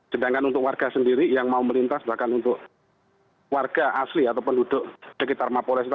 sedangkan untuk warga sendiri yang mau melintas bahkan untuk warga asli atau penduduk sekitar mapol resta